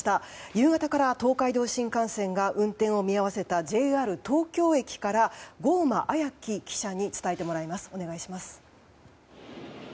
夕方から東海道新幹線が運転を見合わせたＪＲ東京駅から郷間彩姫記者に伝えてもらいます。